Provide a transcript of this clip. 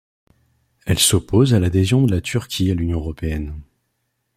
Elle s'oppose à l'adhésion de la Turquie à l'Union européenne.